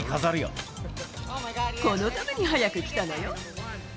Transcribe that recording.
このために早く来たのよ。